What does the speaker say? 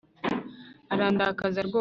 Arandakaza rwose